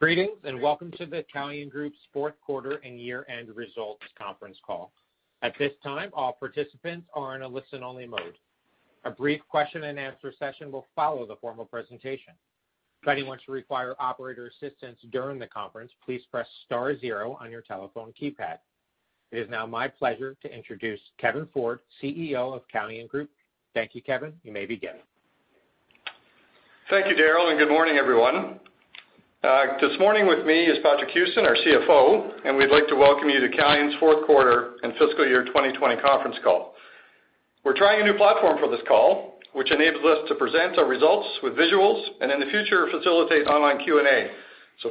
Greetings, welcome to the Calian Group's fourth quarter and year-end results conference call. At this time, all participants are in a listen-only mode. A brief question-and-answer session will follow the formal presentation. If anyone should require operator assistance during the conference, please press star zero on your telephone keypad. It is now my pleasure to introduce Kevin Ford, CEO of Calian Group. Thank you, Kevin. You may begin. Thank you, Daryl. Good morning, everyone. This morning with me is Patrick Houston, our CFO, and we'd like to welcome you to Calian's fourth quarter and fiscal year 2020 conference call. We're trying a new platform for this call, which enables us to present our results with visuals, and in the future, facilitate online Q&A.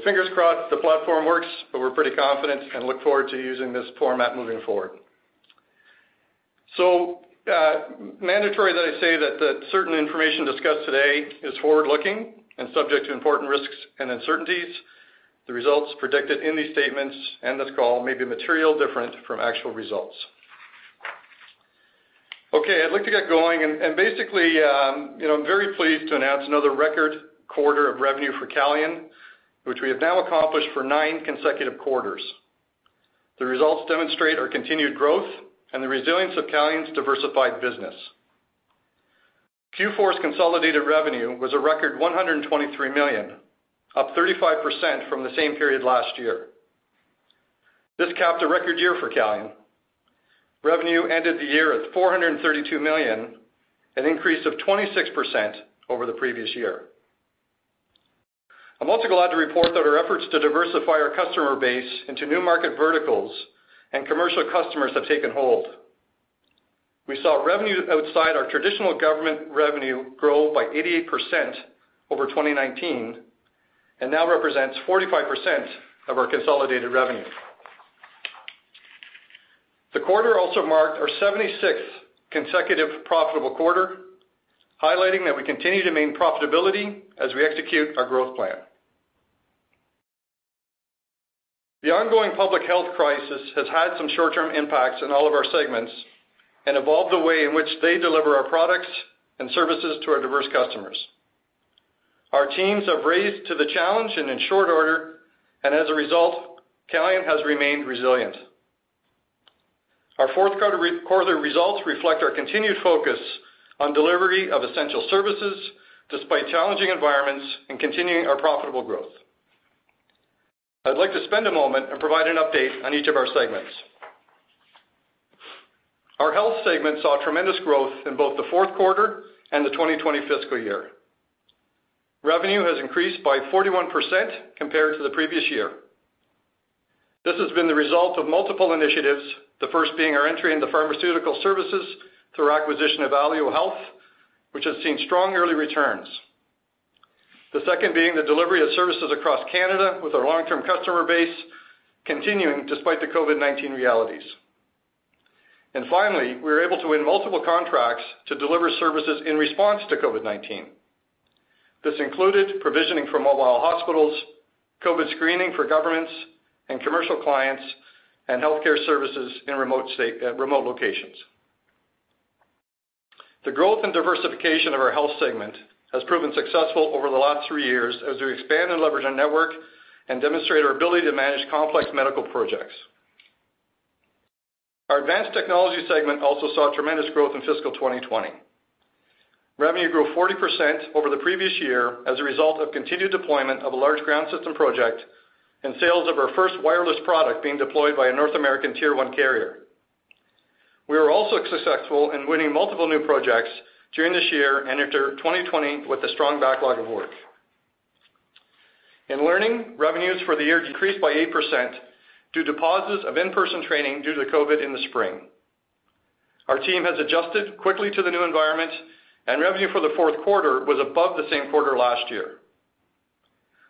Fingers crossed the platform works, but we're pretty confident and look forward to using this format moving forward. Mandatory that I say that the certain information discussed today is forward-looking and subject to important risks and uncertainties. The results predicted in these statements and this call may be material different from actual results. Okay, I'd like to get going, and basically, I'm very pleased to announce another record quarter of revenue for Calian, which we have now accomplished for nine consecutive quarters. The results demonstrate our continued growth and the resilience of Calian's diversified business. Q4's consolidated revenue was a record 123 million, up 35% from the same period last year. This capped a record year for Calian. Revenue ended the year at 432 million, an increase of 26% over the previous year. I'm also glad to report that our efforts to diversify our customer base into new market verticals and commercial customers have taken hold. We saw revenue outside our traditional government revenue grow by 88% over 2019, and now represents 45% of our consolidated revenue. The quarter also marked our 76th consecutive profitable quarter, highlighting that we continue to maintain profitability as we execute our growth plan. The ongoing public health crisis has had some short-term impacts on all of our segments and evolved the way in which they deliver our products and services to our diverse customers. Our teams have raised to the challenge and in short order, and as a result, Calian has remained resilient. Our fourth quarter results reflect our continued focus on delivery of essential services despite challenging environments in continuing our profitable growth. I'd like to spend a moment and provide an update on each of our segments. Our health segment saw tremendous growth in both the fourth quarter and the 2020 fiscal year. Revenue has increased by 41% compared to the previous year. This has been the result of multiple initiatives, the first being our entry into pharmaceutical services through our acquisition of Alio Health, which has seen strong early returns. The second being the delivery of services across Canada with our long-term customer base continuing despite the COVID-19 realities. Finally, we were able to win multiple contracts to deliver services in response to COVID-19. This included provisioning for mobile hospitals, COVID screening for governments and commercial clients, and healthcare services in remote locations. The growth and diversification of our health segment has proven successful over the last three years as we expand and leverage our network and demonstrate our ability to manage complex medical projects. Our advanced technology segment also saw tremendous growth in fiscal 2020. Revenue grew 40% over the previous year as a result of continued deployment of a large ground system project and sales of our first wireless product being deployed by a North American Tier 1 carrier. We were also successful in winning multiple new projects during this year and entered 2020 with a strong backlog of work. In learning, revenues for the year decreased by 8% due to pauses of in-person training due to COVID in the spring. Our team has adjusted quickly to the new environment, and revenue for the fourth quarter was above the same quarter last year.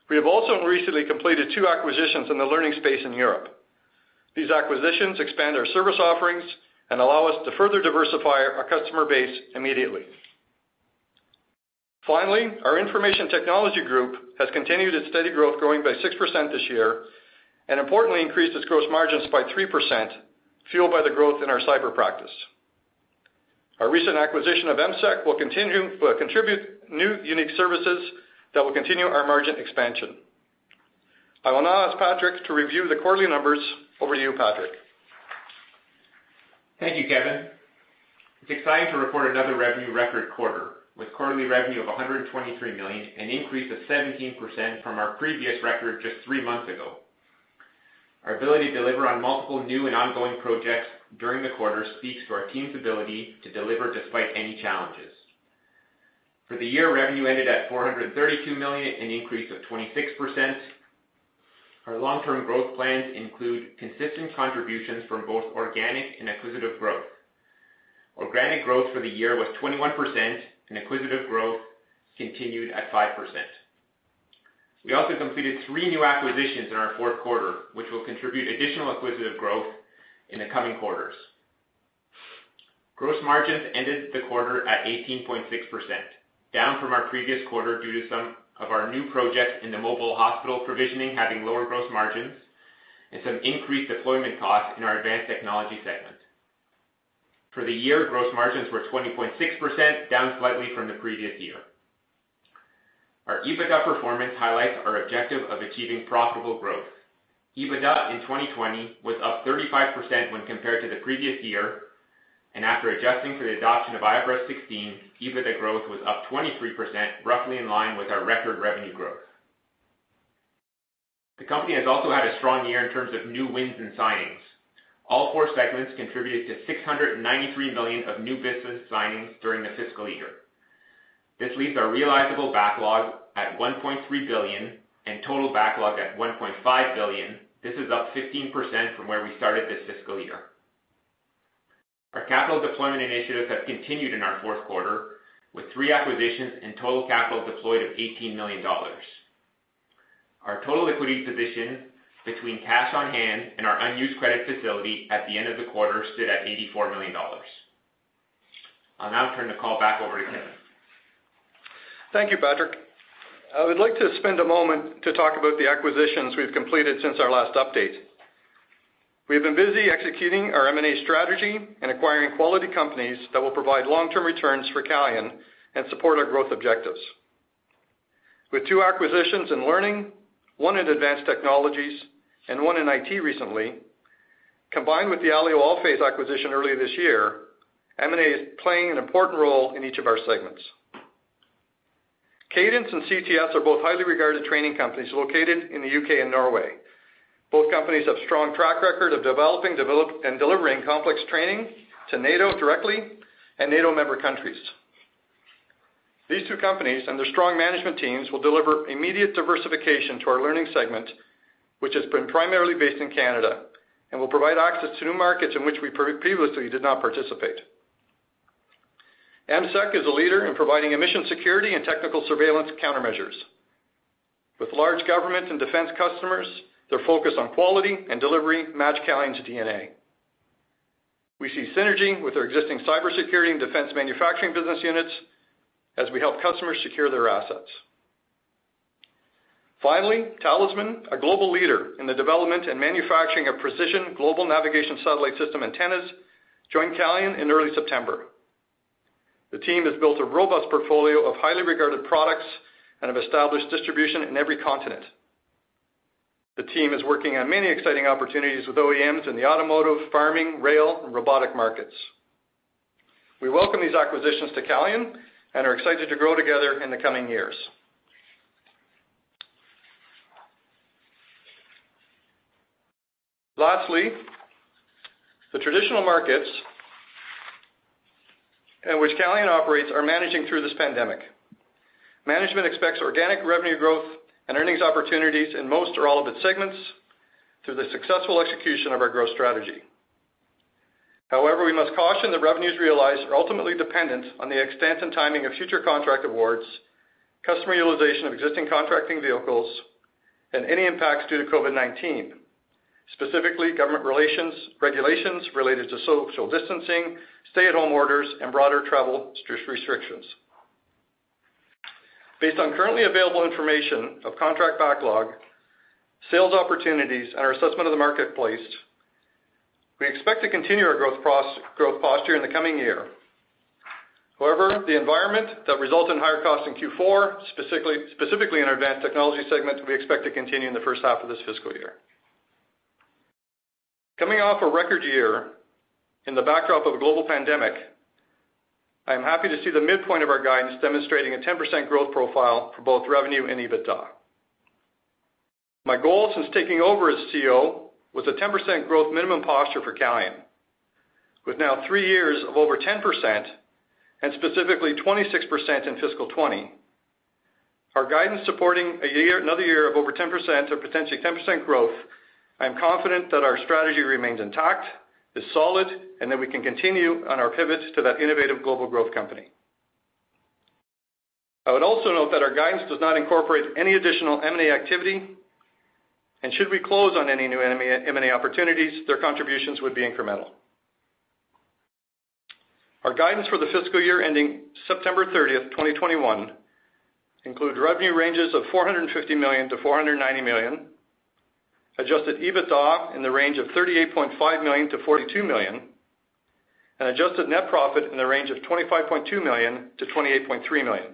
We have also recently completed two acquisitions in the learning space in Europe. These acquisitions expand our service offerings and allow us to further diversify our customer base immediately. Finally, our information technology group has continued its steady growth, growing by 6% this year, and importantly, increased its gross margins by 3%, fueled by the growth in our cyber practice. Our recent acquisition of EMSEC will contribute new unique services that will continue our margin expansion. I will now ask Patrick to review the quarterly numbers. Over to you, Patrick. Thank you, Kevin. It's exciting to report another revenue record quarter, with quarterly revenue of 123 million, an increase of 17% from our previous record just three months ago. Our ability to deliver on multiple new and ongoing projects during the quarter speaks to our team's ability to deliver despite any challenges. For the year, revenue ended at 432 million, an increase of 26%. Our long-term growth plans include consistent contributions from both organic and acquisitive growth. Organic growth for the year was 21%. Acquisitive growth continued at 5%. We also completed three new acquisitions in our fourth quarter, which will contribute additional acquisitive growth in the coming quarters. Gross margins ended the quarter at 18.6%, down from our previous quarter due to some of our new projects in the mobile hospital provisioning having lower gross margins and some increased deployment costs in our advanced technology segment. For the year, gross margins were 20.6%, down slightly from the previous year. Our EBITDA performance highlights our objective of achieving profitable growth. EBITDA in 2020 was up 35% when compared to the previous year, and after adjusting for the adoption of IFRS 16, EBITDA growth was up 23%, roughly in line with our record revenue growth. The company has also had a strong year in terms of new wins and signings. All four segments contributed to 693 million of new business signings during the fiscal year. This leaves our realizable backlog at 1.3 billion and total backlog at 1.5 billion. This is up 15% from where we started this fiscal year. Our capital deployment initiatives have continued in our fourth quarter with three acquisitions and total capital deployed of 18 million dollars. Our total liquidity position between cash on hand and our unused credit facility at the end of the quarter stood at 84 million dollars. I'll now turn the call back over to Kevin. Thank you, Patrick. I would like to spend a moment to talk about the acquisitions we've completed since our last update. We have been busy executing our M&A strategy and acquiring quality companies that will provide long-term returns for Calian and support our growth objectives. With two acquisitions in learning, one in advanced technologies and one in IT recently, combined with the Alio Allphase acquisition earlier this year, M&A is playing an important role in each of our segments. Cadence and CTS are both highly regarded training companies located in the U.K. and Norway. Both companies have a strong track record of developing and delivering complex training to NATO directly and NATO member countries. These two companies and their strong management teams will deliver immediate diversification to our learning segment, which has been primarily based in Canada and will provide access to new markets in which we previously did not participate. EMSEC is a leader in providing emissions security and technical surveillance countermeasures. With large government and defense customers, their focus on quality and delivery match Calian's DNA. We see synergy with our existing cybersecurity and defense manufacturing business units as we help customers secure their assets. Finally, Tallysman, a global leader in the development and manufacturing of precision global navigation satellite system antennas, joined Calian in early September. The team has built a robust portfolio of highly regarded products and have established distribution in every continent. The team is working on many exciting opportunities with OEMs in the automotive, farming, rail, and robotic markets. We welcome these acquisitions to Calian and are excited to grow together in the coming years. Lastly, the traditional markets in which Calian operates are managing through this pandemic. Management expects organic revenue growth and earnings opportunities in most or all of its segments through the successful execution of our growth strategy. However, we must caution that revenues realized are ultimately dependent on the extent and timing of future contract awards, customer utilization of existing contracting vehicles, and any impacts due to COVID-19, specifically government regulations related to social distancing, stay-at-home orders, and broader travel restrictions. Based on currently available information of contract backlog, sales opportunities, and our assessment of the marketplace, we expect to continue our growth posture in the coming year. However, the environment that resulted in higher costs in Q4, specifically in our advanced technology segment, we expect to continue in the first half of this fiscal year. Coming off a record year in the backdrop of a global pandemic, I am happy to see the midpoint of our guidance demonstrating a 10% growth profile for both revenue and EBITDA. My goal since taking over as CEO was a 10% growth minimum posture for Calian. With now three years of over 10%, and specifically 26% in fiscal 2020, our guidance supporting another year of over 10% or potentially 10% growth, I am confident that our strategy remains intact, is solid, and that we can continue on our pivots to that innovative global growth company. I would also note that our guidance does not incorporate any additional M&A activity, and should we close on any new M&A opportunities, their contributions would be incremental. Our guidance for the fiscal year ending September 30th, 2021, includes revenue ranges of 450 million-490 million, adjusted EBITDA in the range of 38.5 million-42 million, and adjusted net profit in the range of 25.2 million-28.3 million.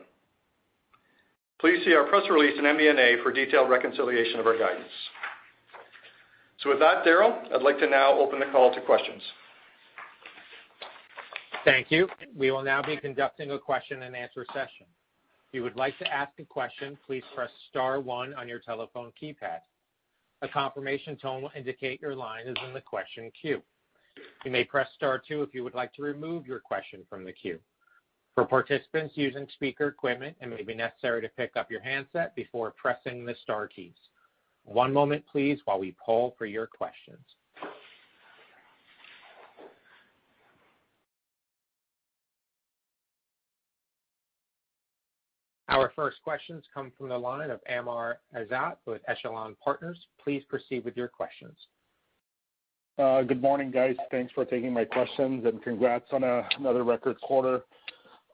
Please see our press release in M&A for a detailed reconciliation of our guidance. With that, Daryl, I'd like to now open the call to questions. Thank you. We will now be conducting a question-and-answer session. If you would like to ask a question, please press star one on your telephone keypad. A confirmation tone will indicate your line is in the question queue. You may press star two if you would like to remove your question from the queue. For participants using speaker equipment, it may be necessary to pick up your handset before pressing the star keys. One moment, please, while we poll for your questions. Our first questions come from the line of Amr Ezzat with Echelon Wealth Partners. Please proceed with your questions. Good morning, guys. Thanks for taking my questions and congrats on another record quarter.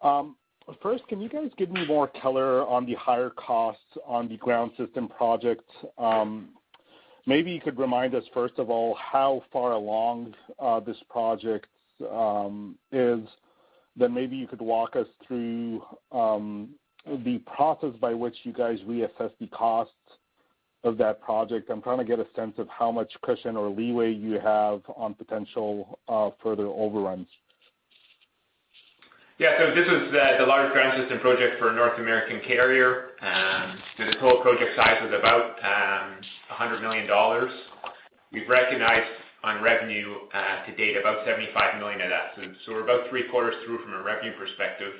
Can you guys give me more color on the higher costs on the ground system projects. Maybe you could remind us, first of all, how far along this project is. Maybe you could walk us through the process by which you guys reassess the costs of that project. I'm trying to get a sense of how much cushion or leeway you have on potential further overruns. Yeah. This is the largest ground system project for a North American carrier. The total project size was about 100 million dollars. We've recognized on revenue to date about 75 million net of that. We're about three-quarters through from a revenue perspective.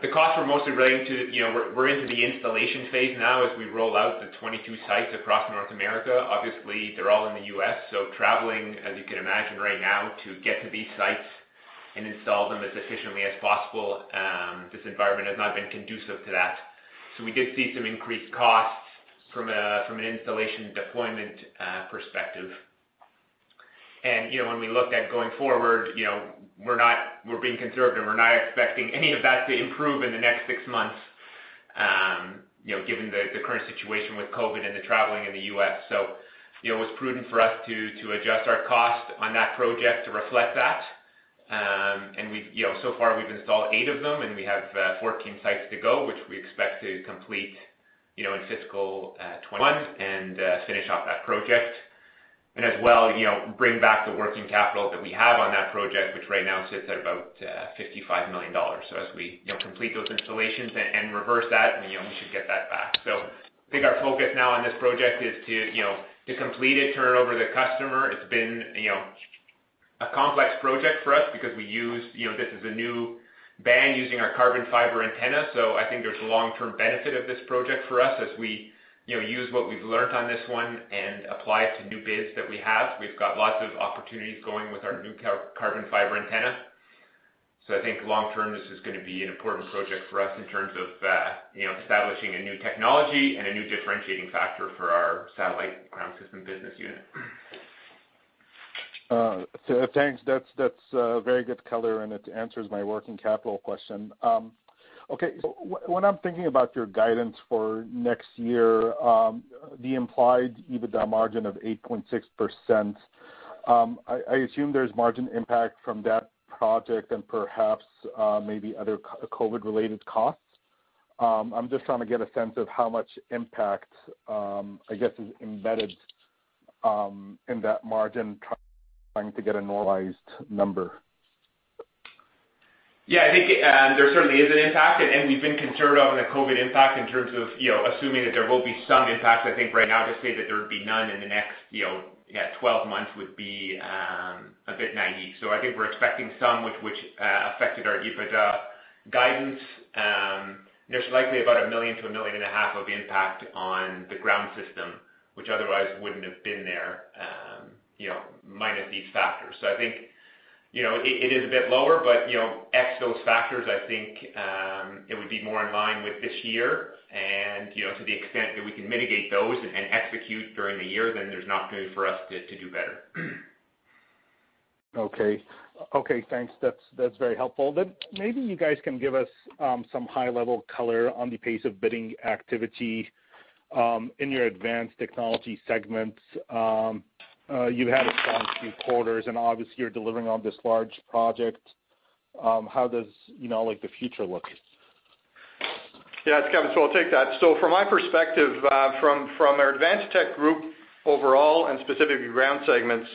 The costs were mostly related to, we're into the installation phase now as we roll out the 22 sites across North America. Obviously, they're all in the U.S., traveling, as you can imagine right now to get to these sites and install them as efficiently as possible, this environment has not been conducive to that. We did see some increased costs from an installation deployment perspective. When we looked at going forward, we're being conservative. We're not expecting any of that to improve in the next six months, given the current situation with COVID and the traveling in the U.S. It was prudent for us to adjust our cost on that project to reflect that. So far, we've installed eight of them, and we have 14 sites to go, which we expect to complete in fiscal 2021 and finish off that project. As well, bring back the working capital that we have on that project, which right now sits at about 55 million dollars. As we complete those installations and reverse that, we should get that back. I think our focus now on this project is to complete it, turn it over to the customer. It's been a complex project for us because this is a new band using our carbon fiber antenna. I think there's a long-term benefit of this project for us as we use what we've learned on this one and apply it to new bids that we have. We've got lots of opportunities going with our new carbon fiber antenna. I think long term, this is gonna be an important project for us in terms of establishing a new technology and a new differentiating factor for our satellite ground system business unit. Thanks. That's very good color, and it answers my working capital question. When I'm thinking about your guidance for next year, the implied EBITDA margin of 8.6%, I assume there's margin impact from that project and perhaps, maybe other COVID-related costs. I'm just trying to get a sense of how much impact, I guess, is embedded in that margin, trying to get a normalized number. Yeah, I think there certainly is an impact. We've been conservative on the COVID impact in terms of assuming that there will be some impact. I think right now to say that there would be none in the next 12 months would be a bit naive. I think we're expecting some, which affected our EBITDA guidance. There's likely about 1 million-1.5 million of impact on the ground system, which otherwise wouldn't have been there, minus these factors. I think, it is a bit lower. Ex those factors, I think, it would be more in line with this year. To the extent that we can mitigate those and execute during the year, then there's an opportunity for us to do better. Okay. Thanks. That's very helpful. Maybe you guys can give us some high-level color on the pace of bidding activity in your advanced technology segments. You've had a strong few quarters, and obviously you're delivering on this large project. How does the future look? Yeah. It's Kevin. I'll take that. From my perspective, from our advanced tech group overall and specifically ground segments,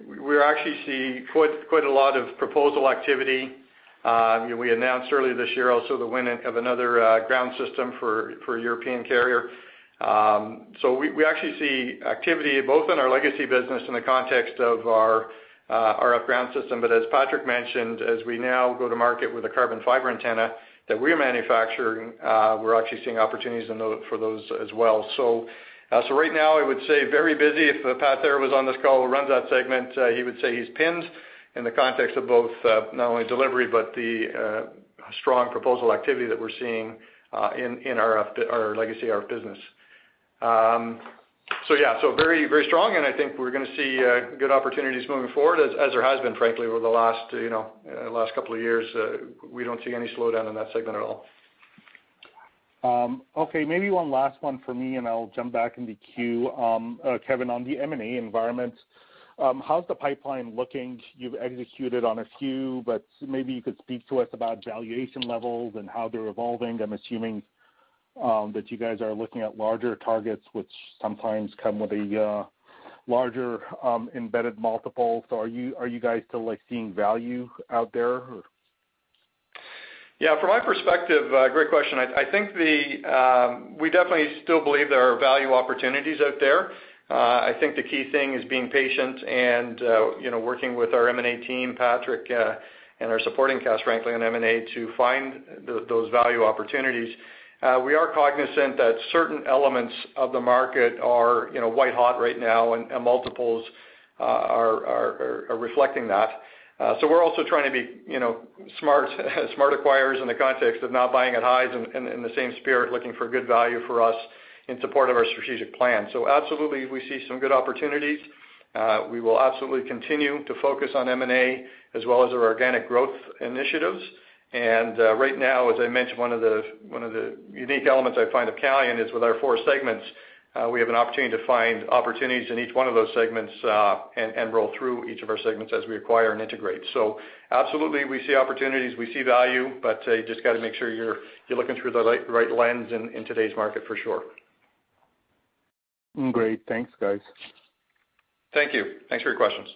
we actually see quite a lot of proposal activity. We announced earlier this year also the win of another ground system for a European carrier. As Patrick mentioned, as we now go to market with a carbon fiber antenna that we're manufacturing, we're actually seeing opportunities for those as well. Right now, I would say very busy. If Patrick Thera was on this call, who runs that segment, he would say he's pinned in the context of both, not only delivery, but the strong proposal activity that we're seeing in our legacy RF business. Yeah, very strong, and I think we're gonna see good opportunities moving forward, as there has been, frankly, over the last couple of years. We don't see any slowdown in that segment at all. Okay. Maybe one last one for me, and I'll jump back in the queue. Kevin, on the M&A environment, how's the pipeline looking? You've executed on a few, but maybe you could speak to us about valuation levels and how they're evolving. I'm assuming that you guys are looking at larger targets, which sometimes come with a larger embedded multiple. Are you guys still seeing value out there? Yeah, from my perspective, great question. I think we definitely still believe there are value opportunities out there. I think the key thing is being patient and working with our M&A team, Patrick, and our supporting cast, frankly, on M&A to find those value opportunities. We are cognizant that certain elements of the market are white hot right now, and multiples are reflecting that. We're also trying to be smart acquirers in the context of not buying at highs, in the same spirit, looking for good value for us in support of our strategic plan. Absolutely, we see some good opportunities. We will absolutely continue to focus on M&A as well as our organic growth initiatives. Right now, as I mentioned, one of the unique elements I find of Calian is with our four segments, we have an opportunity to find opportunities in each one of those segments and roll through each of our segments as we acquire and integrate. Absolutely, we see opportunities, we see value, but you just got to make sure you're looking through the right lens in today's market, for sure. Great. Thanks, guys. Thank you. Thanks for your questions.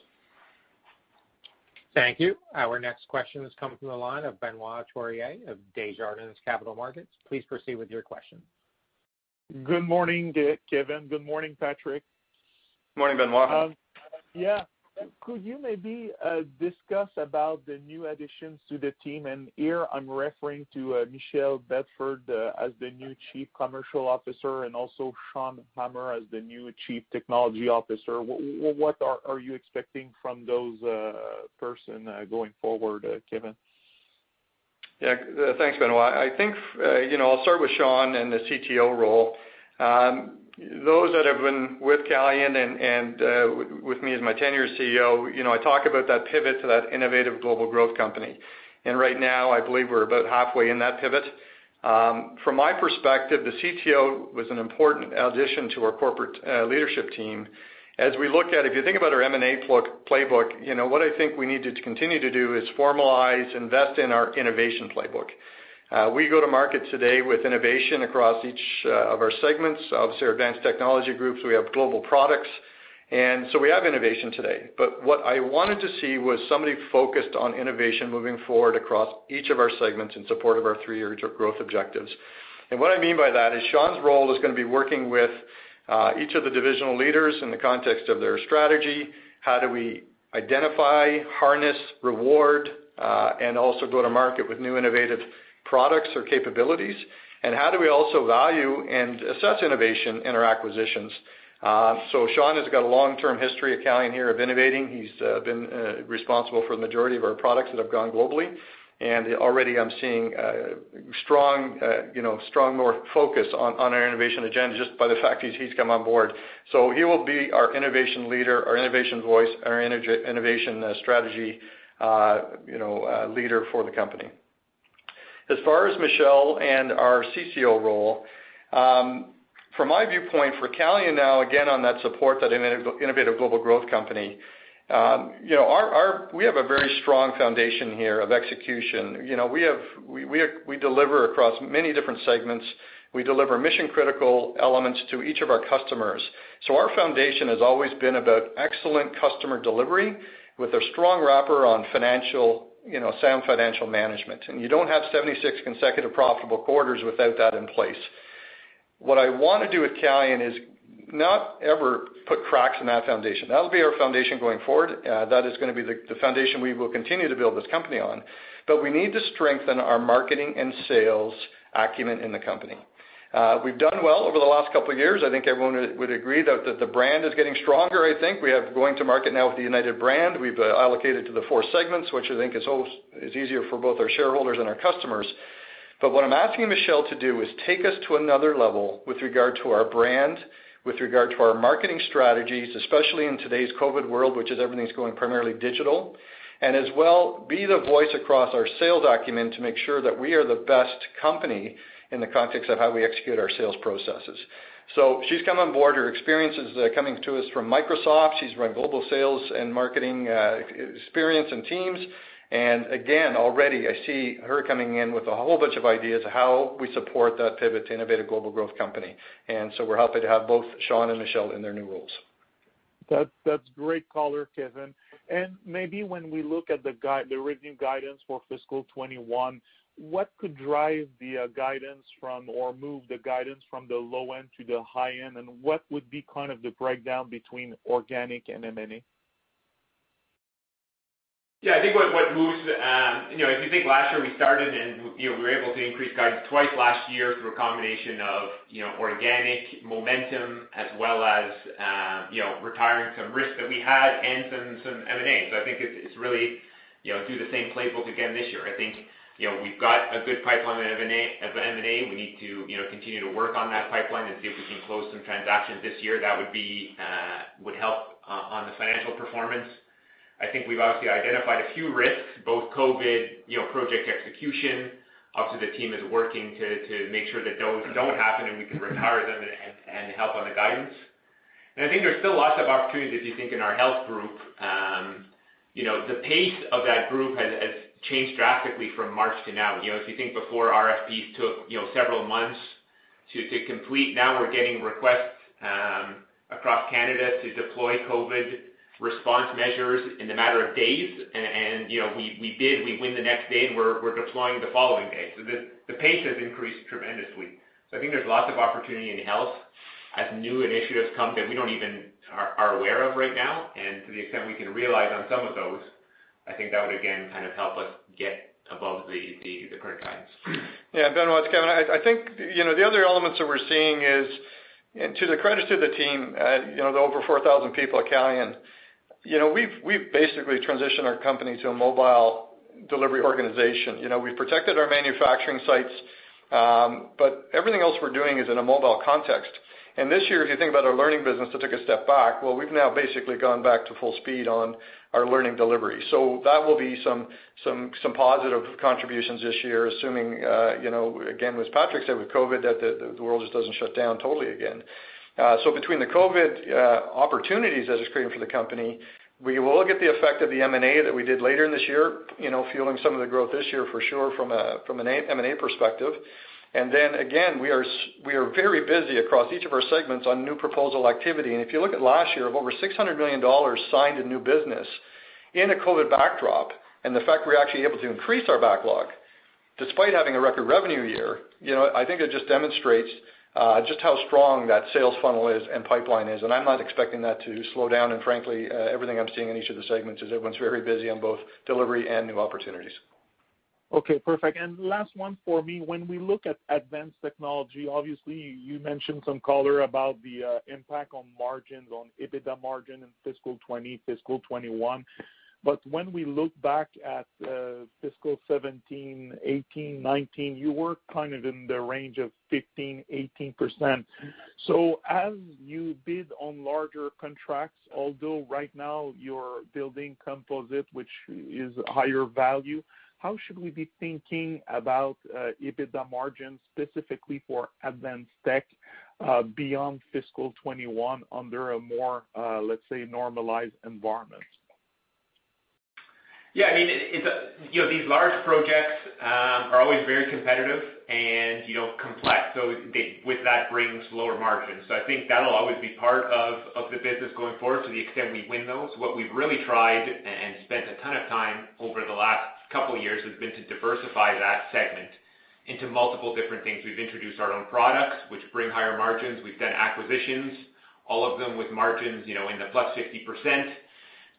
Thank you. Our next question is coming from the line of Benoit Poirier of Desjardins Capital Markets. Please proceed with your question. Good morning Kevin. Good morning, Patrick. Morning, Benoit. Yeah. Could you maybe discuss about the new additions to the team? Here I'm referring to Michele Bedford as the new Chief Commercial Officer and also Seann Hamer as the new Chief Technology Officer. What are you expecting from those person going forward, Kevin? Yeah. Thanks, Benoit. I think I'll start with Seann and the CTO role. Those that have been with Calian and with me as my tenure as CEO, I talk about that pivot to that innovative global growth company. Right now, I believe we're about halfway in that pivot. From my perspective, the CTO was an important addition to our corporate leadership team. As we look at, if you think about our M&A playbook, what I think we need to continue to do is formalize, invest in our innovation playbook. We go to market today with innovation across each of our segments. Obviously, our advanced technology groups, we have global products, we have innovation today. What I wanted to see was somebody focused on innovation moving forward across each of our segments in support of our three-year growth objectives. What I mean by that is Seann's role is going to be working with each of the divisional leaders in the context of their strategy. How do we identify, harness, reward, and also go to market with new innovative products or capabilities? How do we also value and assess innovation in our acquisitions? Seann has got a long-term history at Calian here of innovating. He's been responsible for the majority of our products that have gone globally. Already I'm seeing a strong more focus on our innovation agenda just by the fact he's come on board. He will be our innovation leader, our innovation voice, our innovation strategy leader for the company. As far as Michele and our CCO role, from my viewpoint for Calian now, again, on that support, that innovative global growth company, we have a very strong foundation here of execution. We deliver across many different segments. I deliver mission-critical elements to each of our customers. Our foundation has always been about excellent customer delivery with a strong wrapper on sound financial management. You don't have 76 consecutive profitable quarters without that in place. What I want to do at Calian is not ever put cracks in that foundation. That'll be our foundation going forward. That is going to be the foundation we will continue to build this company on. We need to strengthen our marketing and sales acumen in the company. We've done well over the last couple of years. I think everyone would agree that the brand is getting stronger, I think. We are going to market now with the United brand. We've allocated to the four segments, which I think is easier for both our shareholders and our customers. What I'm asking Michele to do is take us to another level with regard to our brand, with regard to our marketing strategies, especially in today's COVID world, which is everything's going primarily digital. As well, be the voice across our sales document to make sure that we are the best company in the context of how we execute our sales processes. She's come on board. Her experience is coming to us from Microsoft. She's run global sales and marketing experience and teams. Again, already I see her coming in with a whole bunch of ideas of how we support that pivot to innovate a global growth company. So we're happy to have both Seann and Michele in their new roles. That's great color, Kevin. Maybe when we look at the revenue guidance for fiscal 2021, what could drive the guidance from or move the guidance from the low end to the high end, and what would be kind of the breakdown between organic and M&A? Yeah, I think if you think last year we started and we were able to increase guidance twice last year through a combination of organic momentum as well as retiring some risks that we had and some M&A. I think it's really do the same playbook again this year. I think, we've got a good pipeline of M&A. We need to continue to work on that pipeline and see if we can close some transactions this year. That would help on the financial performance. I think we've obviously identified a few risks, both COVID, project execution. Obviously, the team is working to make sure that those don't happen and we can retire them and help on the guidance. I think there's still lots of opportunities if you think in our health group. The pace of that group has changed drastically from March to now. If you think before RFPs took several months to complete, now we're getting requests across Canada to deploy COVID response measures in a matter of days. We bid, we win the next day, and we're deploying the following day. The pace has increased tremendously. I think there's lots of opportunity in health as new initiatives come that we don't even are aware of right now. To the extent we can realize on some of those, I think that would, again, kind of help us get above the current times. Yeah, Benoit, it's Kevin. I think the other elements that we're seeing is, and to the credit to the team, the over 4,000 people at Calian, we've basically transitioned our company to a mobile delivery organization. We've protected our manufacturing sites, but everything else we're doing is in a mobile context. This year, if you think about our learning business that took a step back, well, we've now basically gone back to full speed on our learning delivery. That will be some positive contributions this year, assuming, again, as Patrick said with COVID, that the world just doesn't shut down totally again. Between the COVID opportunities that it's creating for the company, we will look at the effect of the M&A that we did later in this year, fueling some of the growth this year for sure from an M&A perspective. Again, we are very busy across each of our segments on new proposal activity. If you look at last year of over 600 million dollars signed in new business in a COVID backdrop and the fact we're actually able to increase our backlog despite having a record revenue year, I think it just demonstrates just how strong that sales funnel is and pipeline is, and I'm not expecting that to slow down. Frankly, everything I'm seeing in each of the segments is everyone's very busy on both delivery and new opportunities. Okay, perfect. Last one for me. When we look at advanced technology, obviously you mentioned some color about the impact on margins, on EBITDA margin in fiscal 2020, fiscal 2021. When we look back at fiscal 2017, 2018, 2019, you were kind of in the range of 15%-18%. As you bid on larger contracts, although right now you're building composite, which is higher value, how should we be thinking about EBITDA margins specifically for advanced tech, beyond fiscal 2021 under a more, let's say, normalized environment? Yeah, these large projects are always very competitive and complex. With that brings lower margins. I think that'll always be part of the business going forward to the extent we win those. What we've really tried and spent a ton of time over the last couple of years has been to diversify that segment into multiple different things. We've introduced our own products, which bring higher margins. We've done acquisitions, all of them with margins in the plus 60%,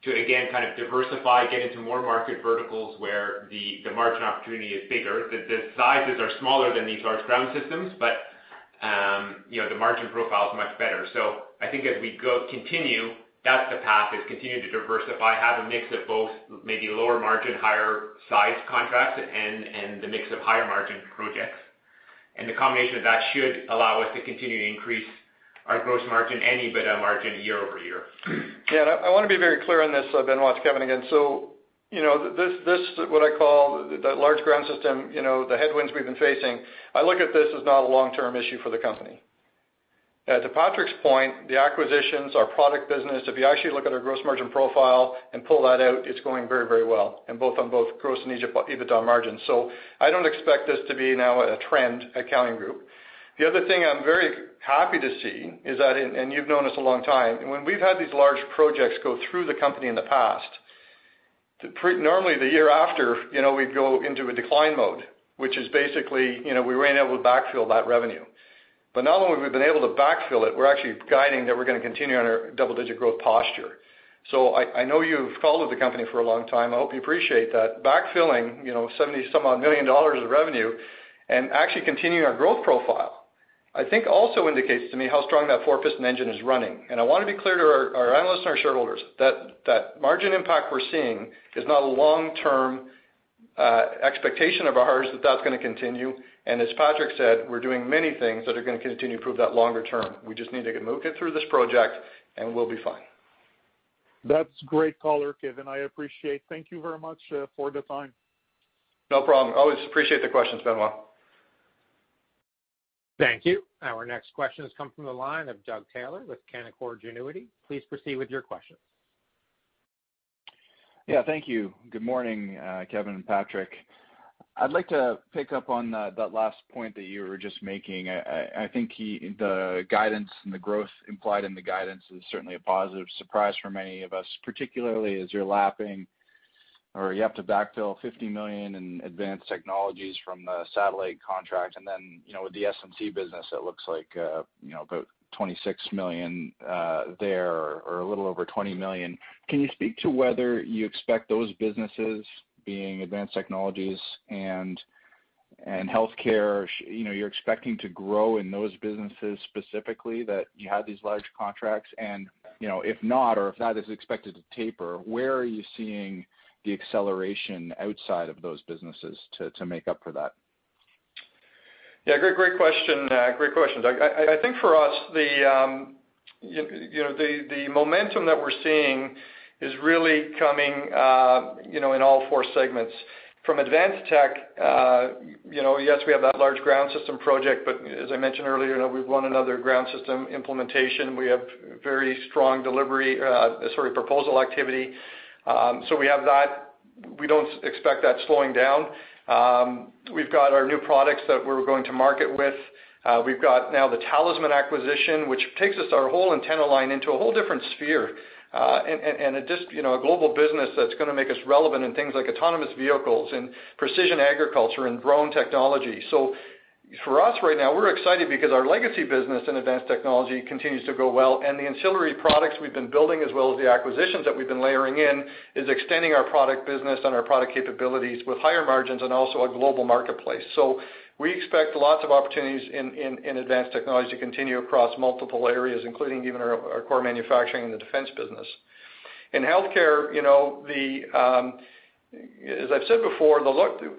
to again, kind of diversify, get into more market verticals where the margin opportunity is bigger. The sizes are smaller than these large ground systems, but the margin profile is much better. I think as we continue, that's the path, is continue to diversify, have a mix of both maybe lower margin, higher size contracts and the mix of higher margin projects. The combination of that should allow us to continue to increase our gross margin and EBITDA margin year-over-year. I want to be very clear on this, Benoit, it's Kevin again. This, what I call the large ground system, the headwinds we've been facing, I look at this as not a long-term issue for the company. To Patrick's point, the acquisitions, our product business, if you actually look at our gross margin profile and pull that out, it's going very well, and both on both gross and EBITDA margins. I don't expect this to be now a trend at Calian Group. The other thing I'm very happy to see is that, you've known us a long time, when we've had these large projects go through the company in the past, normally the year after, we go into a decline mode, which is basically we weren't able to backfill that revenue. Not only have we been able to backfill it, we're actually guiding that we're going to continue on our double-digit growth posture. I know you've followed the company for a long time. I hope you appreciate that backfilling 70 some odd million of revenue and actually continuing our growth profile, I think also indicates to me how strong that four-piston engine is running. I want to be clear to our analysts and our shareholders that margin impact we're seeing is not a long-term expectation of ours that that's going to continue, and as Patrick said we're doing many things that are going to continue to improve that longer term. We just need to get through this project, and we'll be fine. That's great color, Kevin. I appreciate. Thank you very much for the time. No problem. Always appreciate the questions, Benoit. Thank you. Our next question has come from the line of Doug Taylor with Canaccord Genuity. Please proceed with your question. Yeah, thank you. Good morning, Kevin and Patrick. I'd like to pick up on that last point that you were just making. I think the guidance and the growth implied in the guidance is certainly a positive surprise for many of us, particularly as you're lapping or you have to backfill 50 million in advanced technologies from the satellite contract and then with the SNC business, it looks like about 26 million there or a little over 20 million. Can you speak to whether you expect those businesses being advanced technologies and healthcare, you're expecting to grow in those businesses specifically that you had these large contracts and, if not or if that is expected to taper, where are you seeing the acceleration outside of those businesses to make up for that? Yeah, great question, Doug. I think for us, the momentum that we're seeing is really coming in all four segments. From advanced tech, yes, we have that large ground system project, but as I mentioned earlier, we've won another ground system implementation. We have very strong delivery, sort of proposal activity. We have that. We don't expect that slowing down. We've got our new products that we're going to market with. We've got now the Tallysman acquisition, which takes us our whole antenna line into a whole different sphere. A global business that's going to make us relevant in things like autonomous vehicles and precision agriculture and drone technology. For us right now, we're excited because our legacy business in advanced technology continues to go well, and the ancillary products we've been building as well as the acquisitions that we've been layering in is extending our product business and our product capabilities with higher margins and also a global marketplace. We expect lots of opportunities in advanced technology to continue across multiple areas, including even our core manufacturing and the defense business. In healthcare, as I've said before,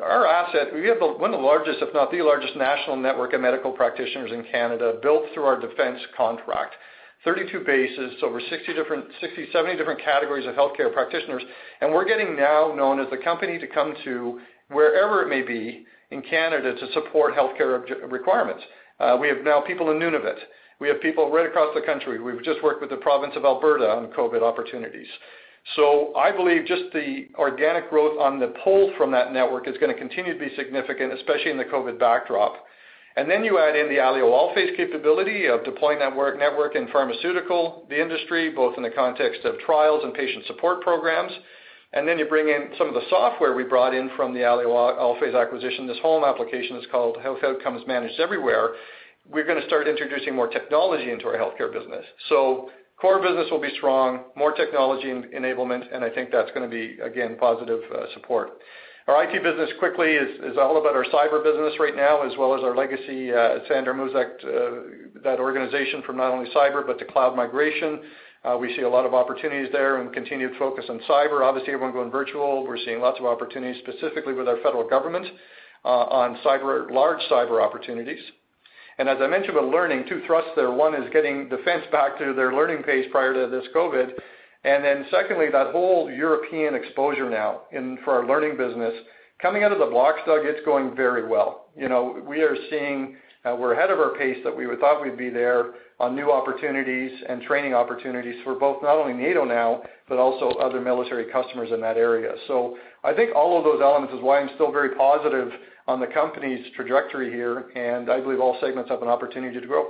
our asset, we have one of the largest, if not the largest, national network of medical practitioners in Canada built through our defense contract. 32 bases, over 60, 70 different categories of healthcare practitioners, and we're getting now known as the company to come to, wherever it may be in Canada, to support healthcare requirements. We have now people in Nunavut. We have people right across the country. We've just worked with the province of Alberta on COVID opportunities. I believe just the organic growth on the pull from that network is going to continue to be significant, especially in the COVID backdrop. You add in the Alio Allphase capability of deploying network in pharmaceutical, the industry, both in the context of trials and patient support programs. You bring in some of the software we brought in from the Alio Allphase acquisition, this whole application is called Health Outcomes Managed Everywhere. We're going to start introducing more technology into our healthcare business. Core business will be strong, more technology enablement, and I think that's going to be, again, positive support. Our IT business quickly is all about our cyber business right now, as well as our legacy, Sandra knows that organization for not only cyber, but the cloud migration. We see a lot of opportunities there and continued focus on cyber. Obviously, everyone going virtual, we're seeing lots of opportunities specifically with our federal government on large cyber opportunities. As I mentioned with learning, two thrusts there. One is getting defense back to their learning pace prior to this COVID. Secondly, that whole European exposure now for our learning business. Coming out of the blocks, Doug, it's going very well. We're ahead of our pace that we would thought we'd be there on new opportunities and training opportunities for both, not only NATO now, but also other military customers in that area. I think all of those elements is why I'm still very positive on the company's trajectory here, and I believe all segments have an opportunity to grow.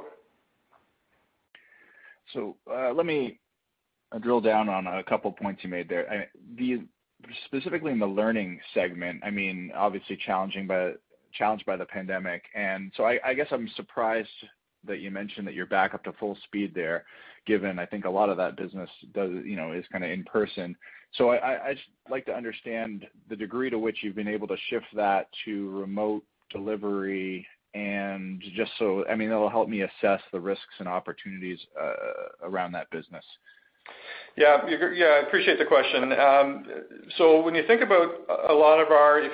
Let me drill down on a couple points you made there. Specifically in the learning segment, obviously challenged by the pandemic, I guess I'm surprised that you mentioned that you're back up to full speed there, given I think a lot of that business is in person. I'd like to understand the degree to which you've been able to shift that to remote delivery and just so it'll help me assess the risks and opportunities around that business. I appreciate the question. If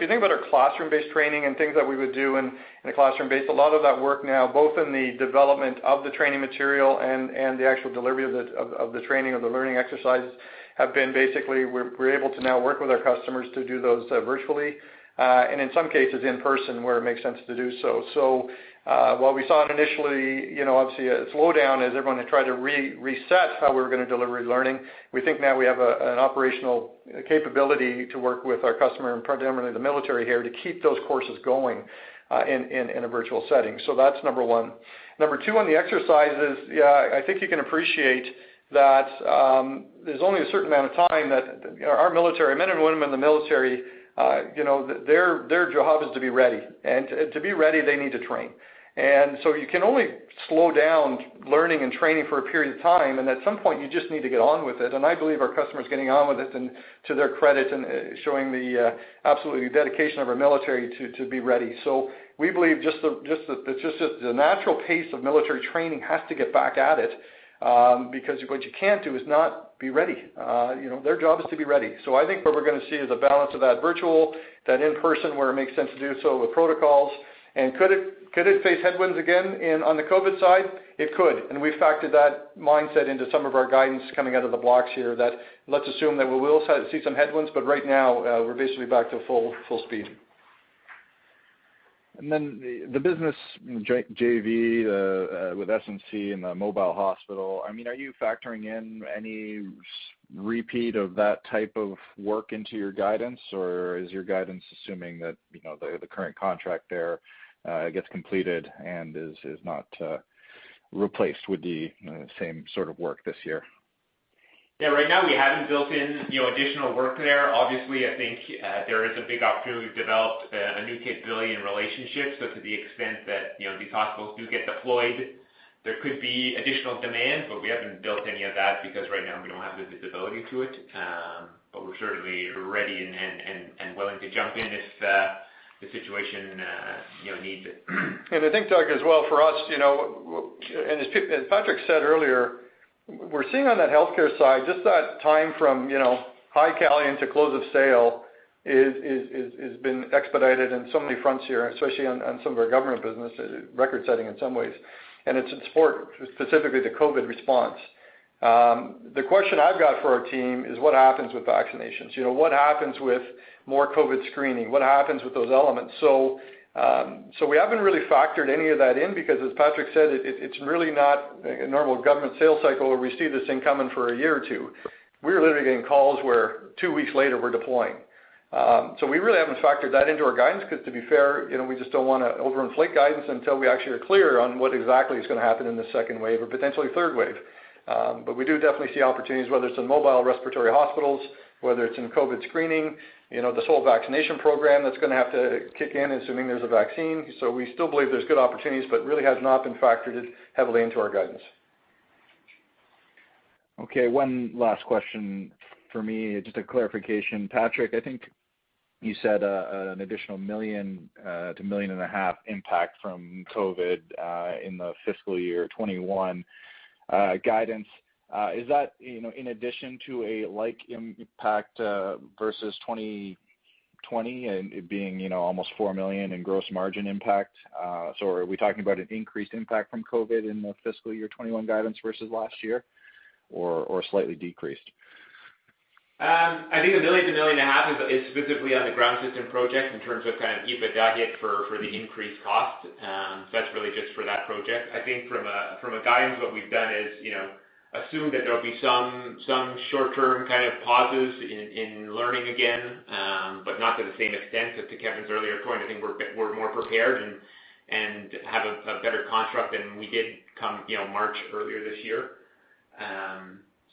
you think about our classroom-based training and things that we would do in a classroom base, a lot of that work now, both in the development of the training material and the actual delivery of the training, of the learning exercises, have been basically we're able to now work with our customers to do those virtually. In some cases, in person where it makes sense to do so. While we saw initially, obviously a slowdown as everyone had tried to reset how we were going to deliver learning, we think now we have an operational capability to work with our customer and predominantly the military here to keep those courses going in a virtual setting. That's number one. Number two, on the exercises, yeah, I think you can appreciate that there's only a certain amount of time that our military, men and women in the military, their job is to be ready, and to be ready, they need to train. You can only slow down learning and training for a period of time, and at some point, you just need to get on with it. I believe our customers are getting on with it, and to their credit, and showing the absolutely dedication of our military to be ready. We believe just the natural pace of military training has to get back at it, because what you can't do is not be ready. Their job is to be ready. I think what we're going to see is a balance of that virtual, that in-person where it makes sense to do so with protocols. Could it face headwinds again on the COVID side? It could, and we've factored that mindset into some of our guidance coming out of the blocks here that let's assume that we will see some headwinds, but right now, we're basically back to full speed. The business JV with SNC and the mobile hospital, are you factoring in any repeat of that type of work into your guidance? Is your guidance assuming that the current contract there gets completed and is not replaced with the same sort of work this year? Yeah, right now we haven't built in additional work there. Obviously, I think there is a big opportunity. We've developed a new capability and relationship. To the extent that these hospitals do get deployed, there could be additional demand, but we haven't built any of that because right now we don't have the visibility to it. We're certainly ready and willing to jump in if the situation needs it. I think, Doug, as well for us, and as Patrick said earlier, we're seeing on that healthcare side, just that time from high Calian to close of sale has been expedited in so many fronts here, especially on some of our government business, record-setting in some ways. It's in support specifically to COVID response. The question I've got for our team is what happens with vaccinations? What happens with more COVID screening? What happens with those elements? We haven't really factored any of that in because, as Patrick said, it's really not a normal government sales cycle where we see this thing coming for a year or two. We're literally getting calls where two weeks later we're deploying. We really haven't factored that into our guidance because to be fair, we just don't want to overinflate guidance until we actually are clear on what exactly is going to happen in the second wave or potentially third wave. We do definitely see opportunities, whether it's in mobile respiratory hospitals, whether it's in COVID screening, this whole vaccination program that's going to have to kick in assuming there's a vaccine. We still believe there's good opportunities, but really has not been factored heavily into our guidance. One last question for me, just a clarification. Patrick, you said an additional 1 million-1.5 million impact from COVID in the fiscal year 2021 guidance. Is that in addition to a like impact versus 2020 and it being almost 4 million in gross margin impact? Are we talking about an increased impact from COVID in the fiscal year 2021 guidance versus last year, or slightly decreased? I think 1 million-1.5 million is specifically on the ground system project in terms of kind of EBITDA hit for the increased cost. That's really just for that project. I think from a guidance, what we've done is assumed that there'll be some short-term kind of pauses in Learning again, but not to the same extent that to Kevin's earlier point, I think we're more prepared and have a better construct than we did come March earlier this year.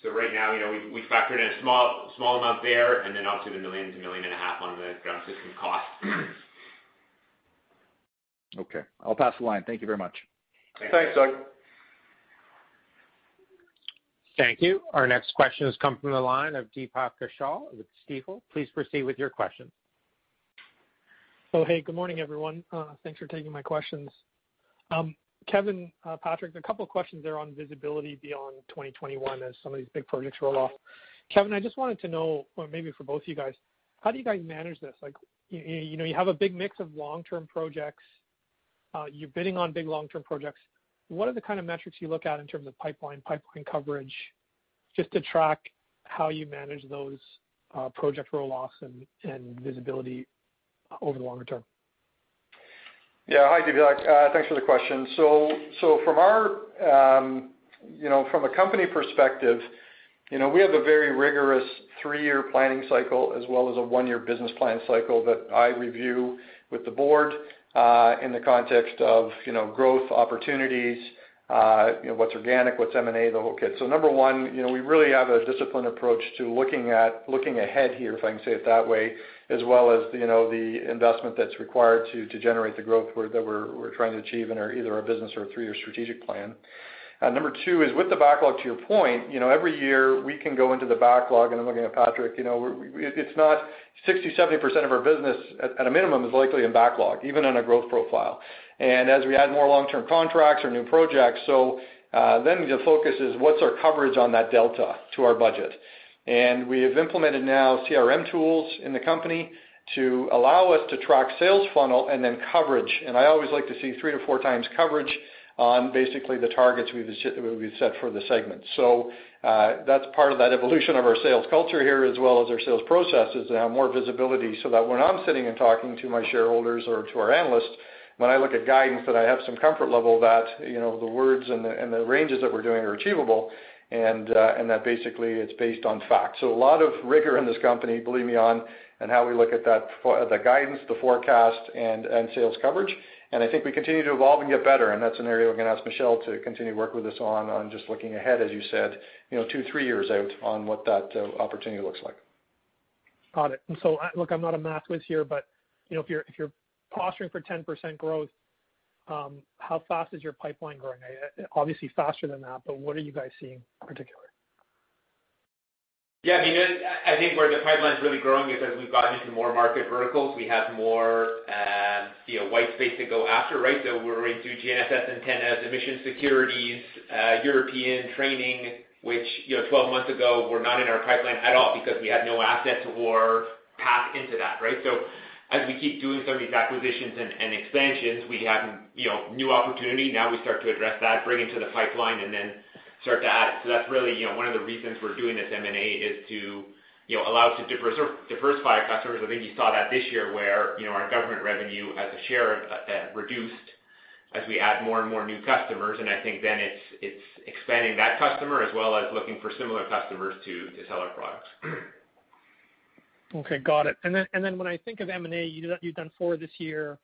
Right now, we've factored in a small amount there and then obviously the 1 million-1.5 million on the ground system cost. Okay. I'll pass the line. Thank you very much. Thanks, Doug. Thank you. Our next question has come from the line of Deepak Kaushal with Stifel. Please proceed with your question. Oh, hey, good morning, everyone. Thanks for taking my questions. Kevin, Patrick, there is a couple of questions there on visibility beyond 2021 as some of these big projects roll off. Kevin, I just wanted to know, or maybe for both of you guys, how do you guys manage this? You have a big mix of long-term projects. You are bidding on big long-term projects. What are the kind of metrics you look at in terms of pipeline coverage, just to track how you manage those project roll-offs and visibility over the longer term? Hi, Deepak. Thanks for the question. From a company perspective, we have a very rigorous three-year planning cycle as well as a one-year business plan cycle that I review with the board, in the context of growth, opportunities, what's organic, what's M&A, the whole kit. Number one, we really have a disciplined approach to looking ahead here, if I can say it that way, as well as the investment that's required to generate the growth that we're trying to achieve in either our business or three-year strategic plan. Number two is with the backlog, to your point, every year we can go into the backlog, and I'm looking at Patrick, it's not 60%, 70% of our business at a minimum is likely in backlog, even on a growth profile. As we add more long-term contracts or new projects, so then the focus is what's our coverage on that delta to our budget. We have implemented now CRM tools in the company to allow us to track sales funnel and then coverage. I always like to see three to four times coverage on basically the targets we've set for the segment. That's part of that evolution of our sales culture here, as well as our sales processes to have more visibility so that when I'm sitting and talking to my shareholders or to our analysts, when I look at guidance, that I have some comfort level that the words and the ranges that we're doing are achievable and that basically it's based on fact. A lot of rigor in this company, believe me on how we look at the guidance, the forecast, and sales coverage. I think we continue to evolve and get better, and that's an area we're going to ask Michele to continue to work with us on just looking ahead, as you said, two, three years out on what that opportunity looks like. Got it. Look, I'm not a math whiz here, but if you're posturing for 10% growth, how fast is your pipeline growing? Obviously faster than that, but what are you guys seeing in particular? Yeah, I think where the pipeline's really growing is as we've gotten into more market verticals, we have more white space to go after, right? We're into GNSS Antennas, emissions securities, European training, which 12 months ago were not in our pipeline at all because we had no assets or path into that, right? As we keep doing some of these acquisitions and expansions, we have new opportunity. Now we start to address that, bring into the pipeline, and then start to add. That's really one of the reasons we're doing this M&A is to allow us to diversify our customers. I think you saw that this year where our government revenue as a share reduced as we add more and more new customers, and I think then it's expanding that customer as well as looking for similar customers to sell our products. Okay. Got it. When I think of M&A, you've done four this year-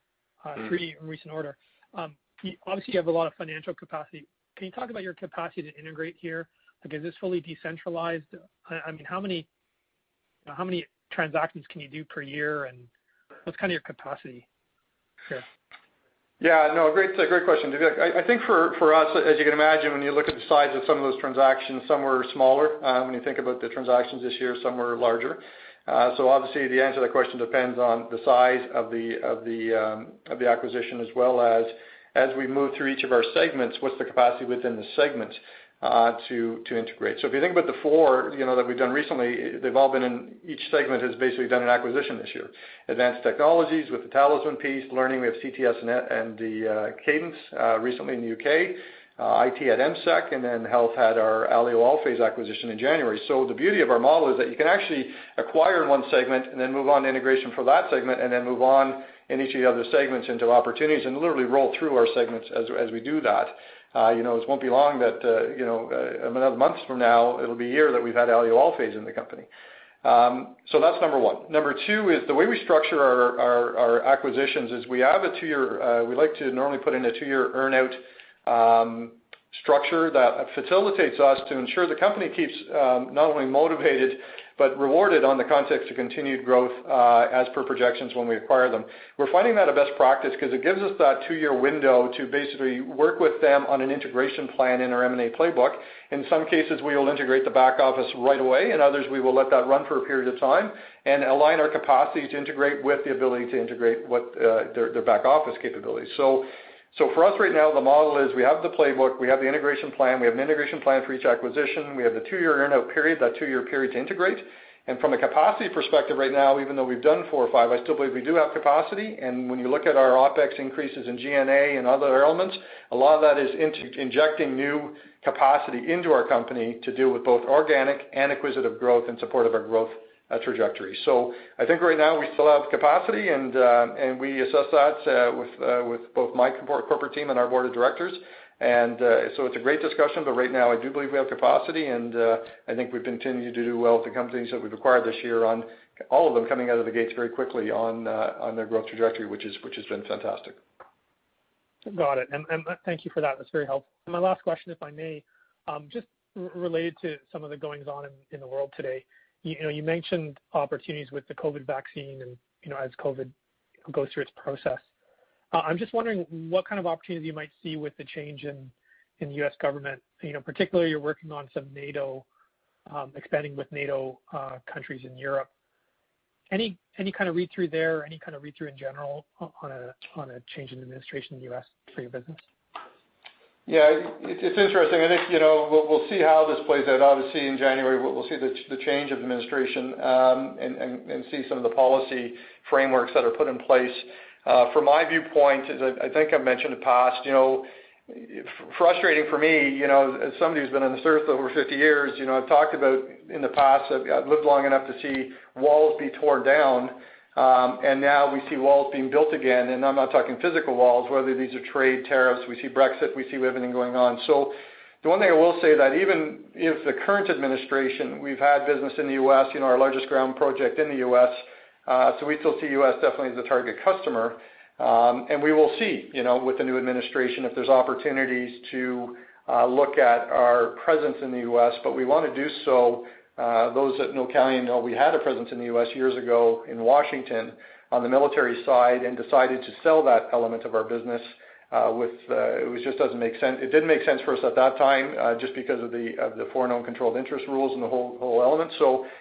three in recent order. Obviously, you have a lot of financial capacity. Can you talk about your capacity to integrate here? Is this fully decentralized? How many transactions can you do per year, and what's your capacity here? Yeah, no, great question, Deepak. I think for us, as you can imagine, when you look at the size of some of those transactions, some were smaller. When you think about the transactions this year, some were larger. Obviously the answer to that question depends on the size of the acquisition as well as we move through each of our segments, what's the capacity within the segments to integrate. If you think about the four that we've done recently, they've all been in each segment has basically done an acquisition this year. Advanced Technologies with the Tallysman piece. Learning, we have CTS and Cadence recently in the U.K. IT had EMSEC, and then health had our Allphase acquisition in January. The beauty of our model is that you can actually acquire one segment and then move on to integration for that segment, and then move on in each of the other segments into opportunities and literally roll through our segments as we do that. It won't be long that, months from now, it'll be a year that we've had Allphase in the company. That's number one. Number two is the way we structure our acquisitions is we like to normally put in a two-year earn-out structure that facilitates us to ensure the company keeps not only motivated but rewarded on the context of continued growth as per projections when we acquire them. We're finding that a best practice because it gives us that two-year window to basically work with them on an integration plan in our M&A playbook. In some cases, we will integrate the back office right away. In others, we will let that run for a period of time and align our capacity to integrate with the ability to integrate their back-office capabilities. For us right now, the model is we have the playbook, we have the integration plan, we have an integration plan for each acquisition, we have the two-year earn-out period, that two-year period to integrate. From a capacity perspective right now, even though we've done four or five, I still believe we do have capacity. When you look at our OpEx increases in G&A and other elements, a lot of that is injecting new capacity into our company to deal with both organic and acquisitive growth in support of our growth trajectory. I think right now we still have capacity and we assess that with both my corporate team and our board of directors. It's a great discussion, but right now I do believe we have capacity and I think we've continued to do well with the companies that we've acquired this year on all of them coming out of the gates very quickly on their growth trajectory, which has been fantastic. Got it. Thank you for that's very helpful. My last question, if I may, just related to some of the goings on in the world today. You mentioned opportunities with the COVID vaccine and as COVID goes through its process. I'm just wondering what kind of opportunities you might see with the change in U.S. government. Particularly, you're working on some NATO, expanding with NATO countries in Europe. Any kind of read-through there, or any kind of read-through in general on a change in administration in the U.S. for your business? It's interesting. I think we'll see how this plays out. Obviously, in January, we'll see the change of administration and see some of the policy frameworks that are put in place. From my viewpoint, as I think I've mentioned in the past, frustrating for me, as somebody who's been on this earth over 50 years, I've talked about in the past, I've lived long enough to see walls be torn down, and now we see walls being built again, and I'm not talking physical walls, whether these are trade tariffs, we see Brexit, we see everything going on. The one thing I will say that even if the current administration, we've had business in the U.S., our largest ground project in the U.S., so we still see U.S. definitely as a target customer. We will see, with the new administration, if there's opportunities to look at our presence in the U.S., but we want to do so. Those at Calian know we had a presence in the U.S. years ago in Washington on the military side and decided to sell that element of our business. It didn't make sense for us at that time, just because of the foreign-owned controlled interest rules and the whole element.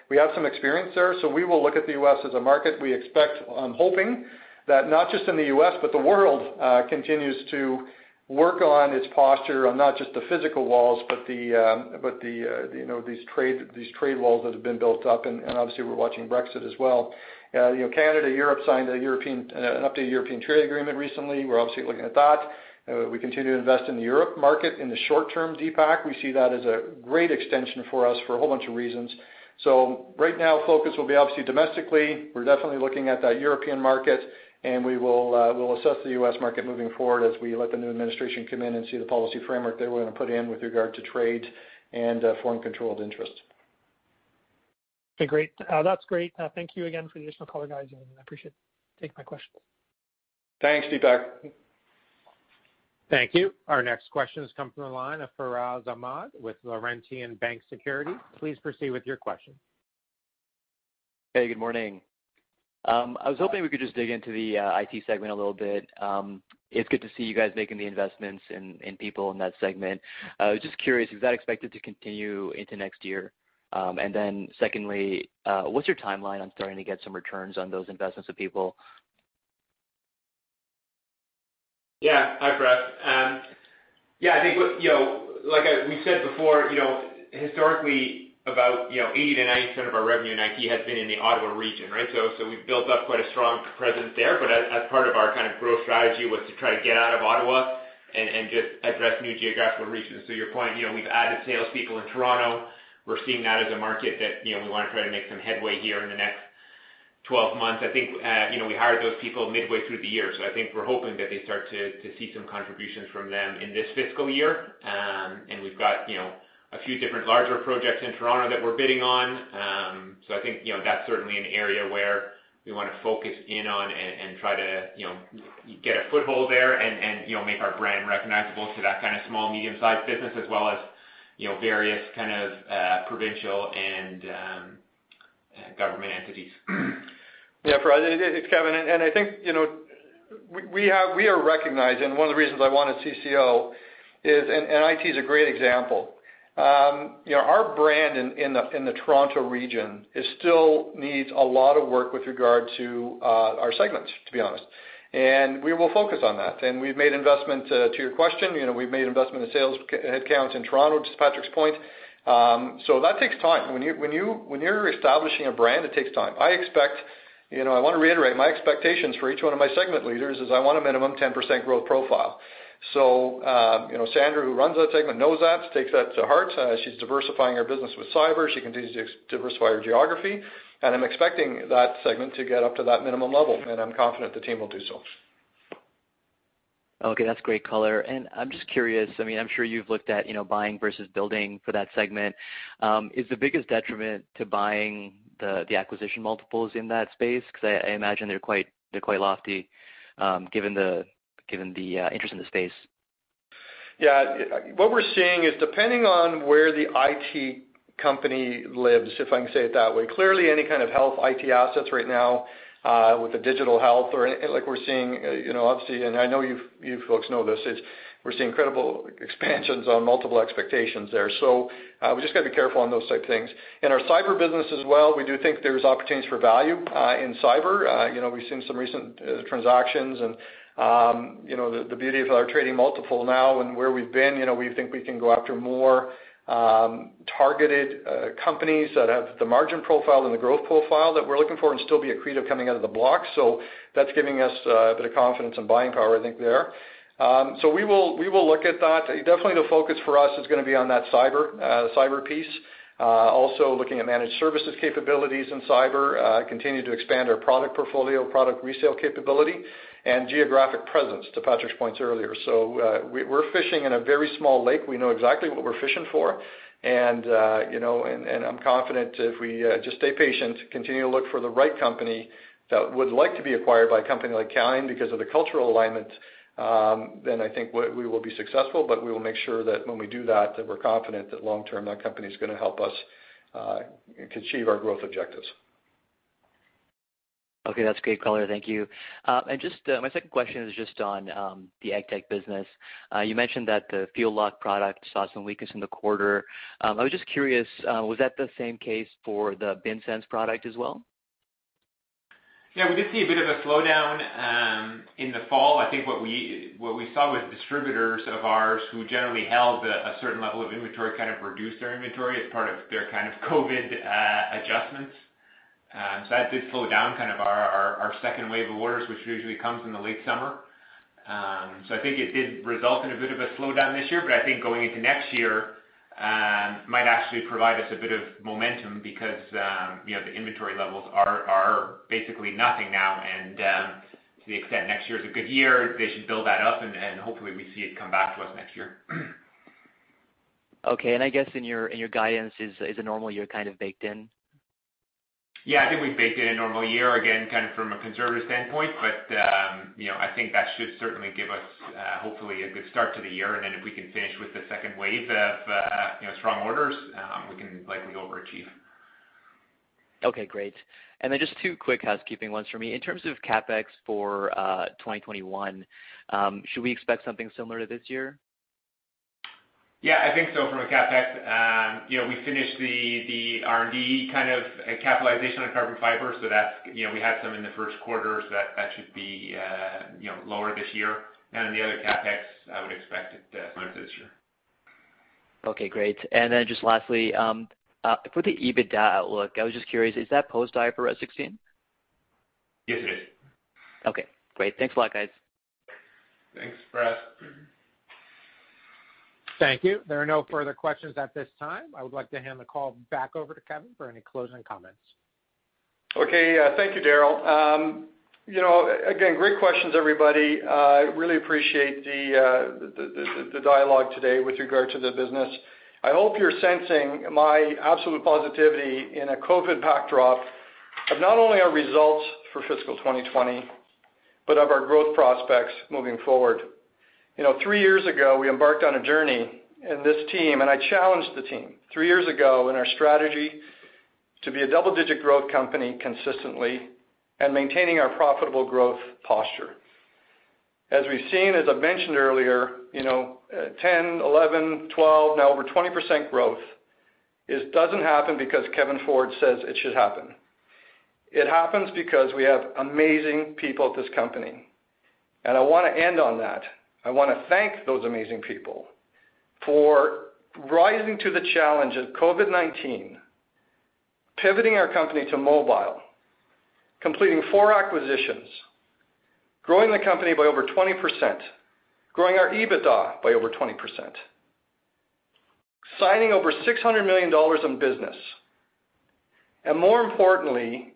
We have some experience there. We will look at the U.S. as a market. We expect, I'm hoping, that not just in the U.S., but the world continues to work on its posture on not just the physical walls, but these trade walls that have been built up, and obviously we're watching Brexit as well. Canada, Europe signed an updated European trade agreement recently. We're obviously looking at that. We continue to invest in the Europe market in the short term, Deepak. We see that as a great extension for us for a whole bunch of reasons. Right now, focus will be obviously domestically. We're definitely looking at that European market, and we'll assess the U.S. market moving forward as we let the new administration come in and see the policy framework they're going to put in with regard to trade and foreign controlled interest. Okay, great. That's great. Thank you again for the additional color, guys. I appreciate you taking my questions. Thanks, Deepak. Thank you. Our next question comes from the line of Furaz Ahmad with Laurentian Bank Securities. Please proceed with your question. Hey, good morning. I was hoping we could just dig into the IT segment a little bit. It's good to see you guys making the investments in people in that segment. I was just curious, is that expected to continue into next year? Secondly, what's your timeline on starting to get some returns on those investments of people? Yeah. Hi, Furaz. Yeah, I think, like we said before, historically about 80%-90% of our revenue in IT has been in the Ottawa region, right? We've built up quite a strong presence there, but as part of our growth strategy was to try to get out of Ottawa and just address new geographical regions. To your point, we've added sales people in Toronto. We're seeing that as a market that we want to try to make some headway here in the next 12 months. I think we hired those people midway through the year, so I think we're hoping that they start to see some contributions from them in this fiscal year. We've got a few different larger projects in Toronto that we're bidding on. I think that's certainly an area where we want to focus in on and try to get a foothold there and make our brand recognizable to that kind of small, medium-sized business as well as various kind of provincial and government entities. Yeah, Furaz, it's Kevin. I think we are recognized, and one of the reasons I wanted CCO is, IT is a great example. Our brand in the Toronto region still needs a lot of work with regard to our segments, to be honest. We will focus on that. We've made investment, to your question, we've made investment in sales headcount in Toronto, to Patrick's point. That takes time. When you're establishing a brand, it takes time. I want to reiterate, my expectations for each one of my segment leaders is I want a minimum 10% growth profile. Sandra, who runs that segment, knows that, takes that to heart. She's diversifying her business with cyber. She continues to diversify her geography. I'm expecting that segment to get up to that minimum level, and I'm confident the team will do so. Okay, that's great color. I'm just curious, I'm sure you've looked at buying versus building for that segment. Is the biggest detriment to buying the acquisition multiples in that space? I imagine they're quite lofty given the interest in the space. Yeah. What we're seeing is depending on where the IT company lives, if I can say it that way. Clearly, any kind of health IT assets right now with the digital health or like we're seeing, obviously, and I know you folks know this, is we're seeing incredible expansions on multiple expectations there. We just got to be careful on those type of things. In our cyber business as well, we do think there's opportunities for value in cyber. We've seen some recent transactions and the beauty of our trading multiple now and where we've been, we think we can go after more targeted companies that have the margin profile and the growth profile that we're looking for and still be accretive coming out of the block. That's giving us a bit of confidence and buying power, I think, there. We will look at that. Definitely the focus for us is going to be on that cyber piece. Also looking at managed services capabilities in cyber, continue to expand our product portfolio, product resale capability, and geographic presence, to Patrick's points earlier. We're fishing in a very small lake. We know exactly what we're fishing for, and I'm confident if we just stay patient, continue to look for the right company that would like to be acquired by a company like Calian because of the cultural alignment, then I think we will be successful, but we will make sure that when we do that we're confident that long term that company's going to help us achieve our growth objectives. Okay, that's great, Calian. Thank you. My second question is just on the AgTech business. You mentioned that the Fuel Lock product saw some weakness in the quarter. I was just curious, was that the same case for the Bin-Sense product as well? Yeah, we did see a bit of a slowdown in the fall. I think what we saw with distributors of ours who generally held a certain level of inventory, kind of reduced their inventory as part of their kind of COVID adjustments. That did slow down kind of our second wave of orders, which usually comes in the late summer. I think it did result in a bit of a slowdown this year, but I think going into next year, might actually provide us a bit of momentum because the inventory levels are basically nothing now, and to the extent next year is a good year, they should build that up and hopefully we see it come back to us next year. Okay, I guess in your guidance, is a normal year kind of baked in? Yeah, I think we baked in a normal year, again, kind of from a conservative standpoint. I think that should certainly give us, hopefully, a good start to the year, and then if we can finish with the second wave of strong orders, we can likely overachieve. Okay, great. Just two quick housekeeping ones for me. In terms of CapEx for 2021, should we expect something similar to this year? I think so from a CapEx. We finished the R&D kind of capitalization on carbon fiber, so we had some in the first quarter, so that should be lower this year. The other CapEx, I would expect it similar to this year. Okay, great. Just lastly, for the EBITDA outlook, I was just curious, is that post IFRS 16? Yes, it is. Okay, great. Thanks a lot, guys. Thanks, Furaz. Thank you. There are no further questions at this time. I would like to hand the call back over to Kevin for any closing comments. Okay. Thank you, Daryl. Great questions, everybody. Really appreciate the dialogue today with regard to the business. I hope you're sensing my absolute positivity in a COVID backdrop of not only our results for fiscal 2020, but of our growth prospects moving forward. Three years ago, we embarked on a journey in this team. I challenged the team three years ago in our strategy to be a double-digit growth company consistently and maintaining our profitable growth posture. As we've seen, as I mentioned earlier, 10%, 11%, 12%, now over 20% growth. It doesn't happen because Kevin Ford says it should happen. It happens because we have amazing people at this company. I want to end on that. I want to thank those amazing people for rising to the challenge of COVID-19, pivoting our company to mobile, completing four acquisitions, growing the company by over 20%, growing our EBITDA by over 20%, signing over 600 million dollars in business, and more importantly,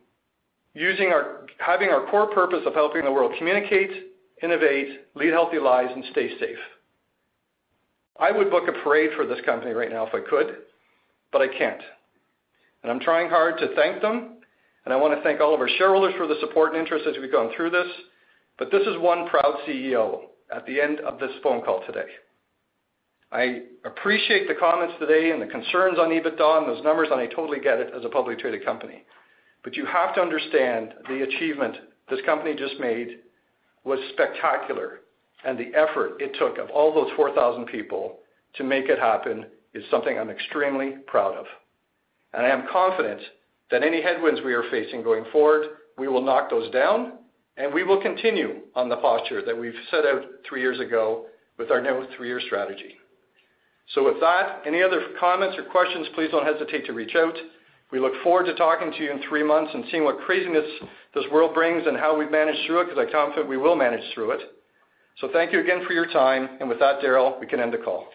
having our core purpose of helping the world communicate, innovate, lead healthy lives, and stay safe. I would book a parade for this company right now if I could, I can't. I'm trying hard to thank them, and I want to thank all of our shareholders for the support and interest as we've gone through this, but this is one proud CEO at the end of this phone call today. I appreciate the comments today and the concerns on EBITDA and those numbers, and I totally get it as a publicly traded company. You have to understand the achievement this company just made was spectacular, and the effort it took of all those 4,000 people to make it happen is something I'm extremely proud of. I am confident that any headwinds we are facing going forward, we will knock those down, and we will continue on the posture that we've set out three years ago with our new three-year strategy. With that, any other comments or questions, please don't hesitate to reach out. We look forward to talking to you in three months and seeing what craziness this world brings and how we manage through it, because I'm confident we will manage through it. Thank you again for your time. With that, Daryl, we can end the call.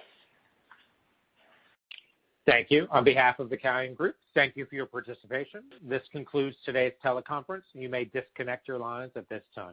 Thank you. On behalf of the Calian Group, thank you for your participation. This concludes today's teleconference. You may disconnect your lines at this time.